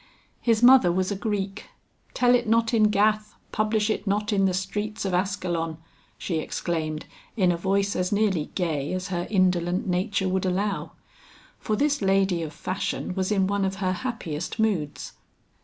"His mother was a Greek. 'Tell it not in Gath, publish it not in the streets of Askelon,'" she exclaimed in a voice as nearly gay as her indolent nature would allow. For this lady of fashion was in one of her happiest moods.